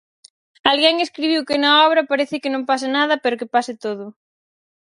Alguén escribiu que na obra parece que non pasa nada pero que pasa todo.